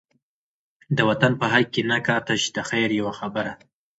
د وطن په حق کی نه کا، تش دخیر یوه خبره